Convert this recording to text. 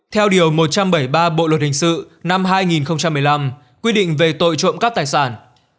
theo điều một trăm bảy mươi ba bộ luật hình sự năm hai nghìn một mươi năm quy định về tội trộm cắp tài sản